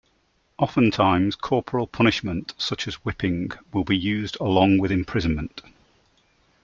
Oftentimes, corporal punishment, such as whipping, will be used along with imprisonment.